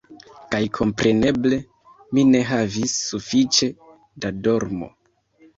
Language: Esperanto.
Kaj kompreneble, mi ne havis sufiĉe da dormo.